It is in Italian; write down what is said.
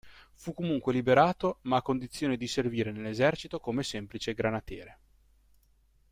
Fu comunque liberato ma a condizione di servire nell'esercito come semplice granatiere.